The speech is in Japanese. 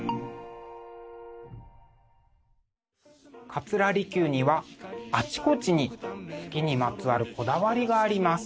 桂離宮にはあちこちに月にまつわるこだわりがあります。